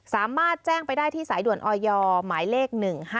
สามารถแจ้งไปได้ที่สายด่วนออยหมายเลข๑๕๗